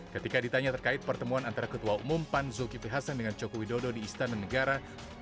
ketika ditanya terkait pertemuan antara ketua umum pan zulkifli hasan dengan joko widodo di istana negara